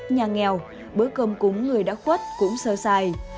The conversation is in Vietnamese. nhà nghèo bữa cơm cúng người đã khuất cũng sơ xài